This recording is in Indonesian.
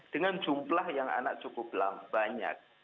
dengan jumlah yang anak cukup banyak